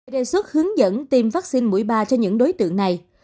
đề xuất hướng dẫn tiêm vaccine mũi ba cho những đối tượng này